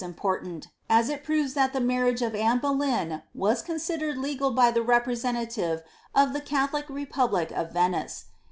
85 anrk u important, as it proves that the marriage of Anne Boleyn was considered legal by the representative of the Catholic republic of Yen* ice.